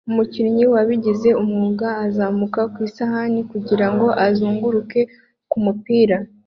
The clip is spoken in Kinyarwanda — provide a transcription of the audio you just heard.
Umukinnyi wabigize umwuga azamuka ku isahani kugirango azunguruke ku mupira